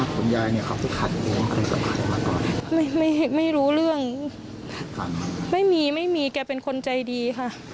แกเป็นคนใจดี